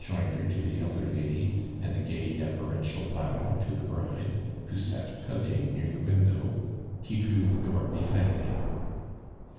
joinder to the older lady, and a gay defer ential bow to the bride, who fat pouting near the window, lie drew the door behinil him.